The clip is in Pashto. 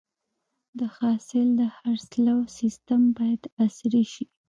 د حاصل د خرڅلاو سیستم باید عصري شي.